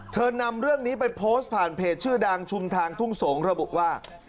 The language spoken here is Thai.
นำเรื่องนี้ไปโพสต์ผ่านเพจชื่อดังชุมทางทุ่งสงศ์ระบุว่า